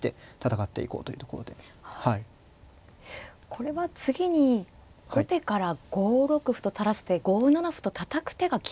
これは次に後手から５六歩と垂らす手５七歩とたたく手が厳しいんですか。